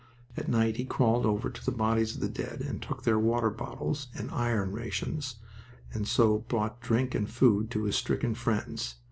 At night he crawled over to the bodies of the dead and took their water bottles and "iron" rations, and so brought drink and food to his stricken friends.